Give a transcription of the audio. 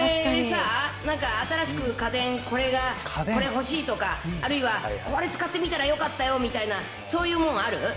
なんか新しく家電、これが、これ、欲しいとか、あるいは、これ使ってみたらよかったよみたいな、そういうものある？